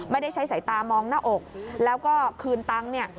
ไม่ได้ใช้สายตามองหน้าอกแล้วก็คืนตังค์เนี่ย